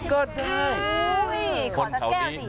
ก็ขอสักแก้วสิ